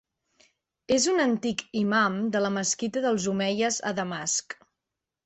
És un antic imam de la Mesquita dels Omeies a Damasc.